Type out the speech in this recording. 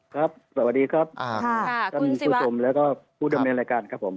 ครับสวัสดีครับคุณสิวะคุณผู้ชมแล้วก็ผู้ดำเนียนรายการครับผม